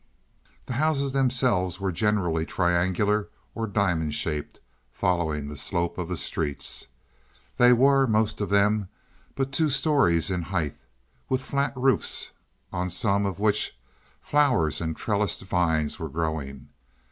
The houses themselves were generally triangular or diamond shaped, following the slope of the streets. They were, most of them, but two stories in height, with flat roofs on some of which flowers and trellised vines were growing.